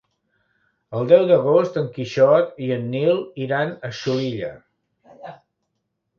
El deu d'agost en Quixot i en Nil iran a Xulilla.